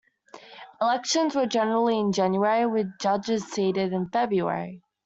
Elections were generally in January, with judges seated in February.